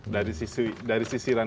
dari sisi ranah hukum